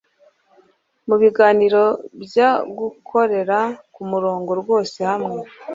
mubiganiro bya Gukorera kumurongo rwose hamwe